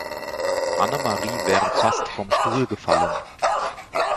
Annemarie wäre fast vom Stuhl gefallen.